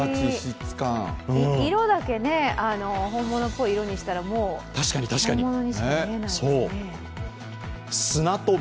色だけ本物っぽい色にしたら本物にしか見えない。